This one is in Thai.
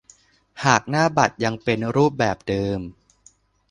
หากหน้าบัตรยังเป็นรูปแบบเดิม